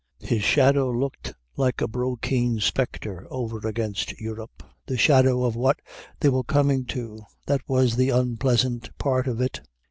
His shadow loomed like a Brocken specter over against Europe, the shadow of what they were coming to, that was the unpleasant part of it.